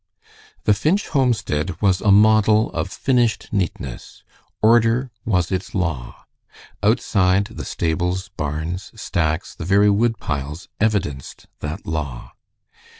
The Finch homestead was a model of finished neatness. Order was its law. Outside, the stables, barns, stacks, the very wood piles, evidenced that law.